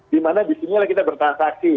di mana di sini kita bertansaksi